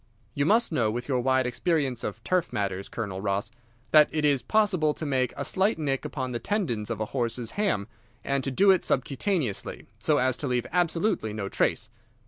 You must know, with your wide experience of turf matters, Colonel Ross, that it is possible to make a slight nick upon the tendons of a horse's ham, and to do it subcutaneously, so as to leave absolutely no trace.